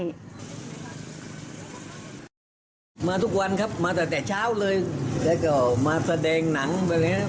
มาทุกวันครับมาตั้งแต่เช้าเลยแล้วก็มาแสดงหนังไปแล้ว